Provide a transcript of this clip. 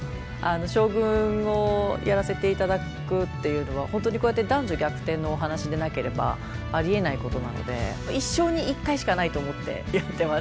将軍をやらせて頂くっていうのは本当にこうやって男女逆転のお話でなければありえないことなので一生に一回しかないと思ってやってます。